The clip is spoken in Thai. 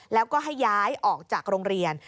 แล้วก็ให้ย้ายออกจากโรงเรียน